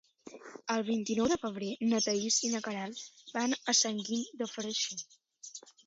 El vint-i-nou de febrer na Thaís i na Queralt van a Sant Guim de Freixenet.